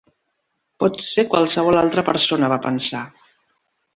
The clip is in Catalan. "Pot ser qualsevol altra persona", va pensar.